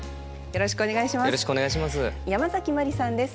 よろしくお願いします。